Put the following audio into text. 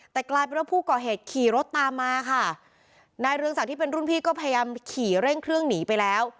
แต่กลายเป็นว่าผู้ก่อเหตุขี่รถตามมาค่ะนายเรืองศักดิ์ที่เป็นรุ่นพี่ก็พยายามขี่เร่งเครื่องหนีไปแล้ว